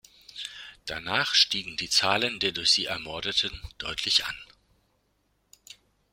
Danach stiegen die Zahlen der durch sie Ermordeten deutlich an.